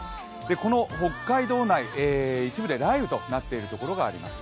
この北海道内、一部で雷雨となっているところがあります。